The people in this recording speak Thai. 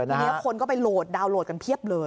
ทีนี้คนก็ไปโหลดดาวนโหลดกันเพียบเลย